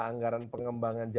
anggaran pengembangan jadwal